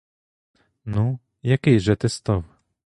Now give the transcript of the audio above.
Ну, який же ти став?